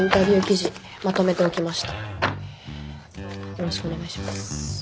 よろしくお願いします。